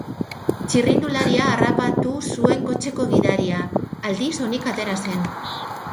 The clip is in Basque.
Txirrindularia harrapatu zuen kotxeko gidaria, aldiz, onik atera zen.